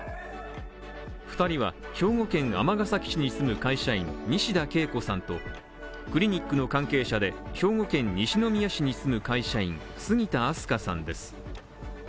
２人は兵庫県尼崎市に住む会社員・西田敬子さんと、クリニックの関係者で、兵庫県西宮市に住む会社員・杉田明日香さんです。